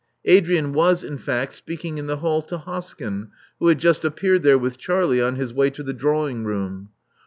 Adrian was, in fact, speaking in the hall to Hoskyn, who had just appeared there with Charlie on his way to the drawing room.